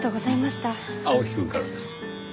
青木くんからです。